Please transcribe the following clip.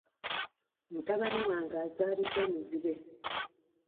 Mutabani wange azaliddwa muzibe.